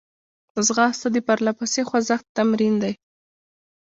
ځغاسته د پرلهپسې خوځښت تمرین دی